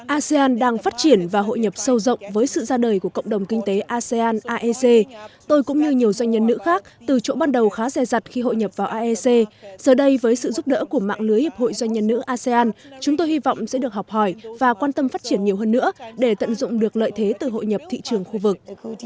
asean đang phát triển và hội nhập sâu rộng với sự ra đời của cộng đồng kinh tế asean aec tôi cũng như nhiều doanh nhân nữ khác từ chỗ ban đầu khá dê rắt khi hội nhập vào aec giờ đây với sự giúp đỡ của mạng lưới hiệp hội doanh nhân nữ asean chúng tôi hy vọng sẽ được học hỏi và quan tâm phát triển nhiều hơn nữa để tận dụng được lợi thế từ hội nhập thị trường khu vực